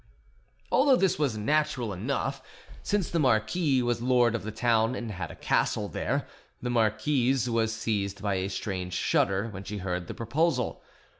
Although this was natural enough, since the marquis was lord of the town and had a castle there, the marquise was seized by a strange shudder when she heard the proposal.